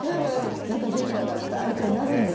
「できなかった」みたいになるんですよ。